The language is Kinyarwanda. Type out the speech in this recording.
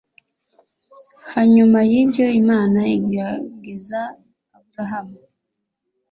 Hanyuma yibyo imana igrerageza aburahamu